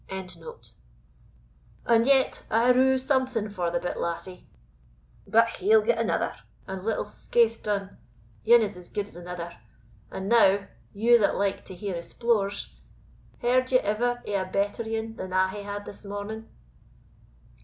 ] And yet I rue something for the bit lassie; but he'll get anither, and little skaith dune ane is as gude as anither. And now, you that like to hear o' splores, heard ye ever o' a better ane than I hae had this morning?"